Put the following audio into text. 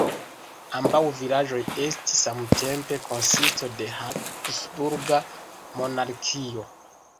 Ambaŭ vilaĝoj estis samtempe konsisto de Habsburga monarkio.